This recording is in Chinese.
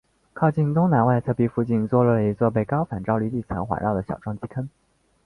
靠近东南外侧壁附近坐落了一座被高反照率地层环绕的小撞击坑。